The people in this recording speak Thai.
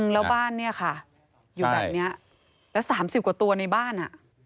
แล้วบ้านเนี่ยค่ะอยู่แบบนี้แล้ว๓๐กว่าตัวในบ้าน